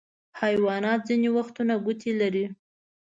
حیوانات ځینې وختونه ګوتې لري.